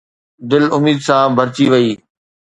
دل اميد سان ڀرجي وئي